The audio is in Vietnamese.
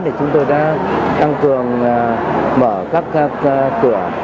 thì chúng tôi đã tăng cường mở các cửa